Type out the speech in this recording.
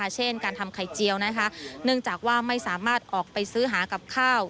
เช่นการทำไข่เจียวนะคะเนื่องจากว่าไม่สามารถออกไปซื้อหากับข้าว